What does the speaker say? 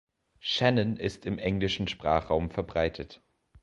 Shannon ist im englischen Sprachraum verbreitet.